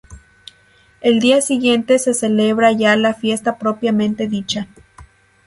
El día siguiente se celebra ya la fiesta propiamente dicha.